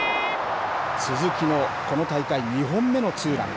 すずきのこの大会２本目のツーラン。